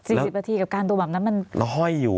คือ๔๐ประถีกับการตัวแบบนั้นมันเบาะอยอยู่